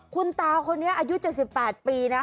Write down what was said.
คุณตาคนนี้อายุ๗๘ปีนะ